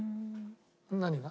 何が？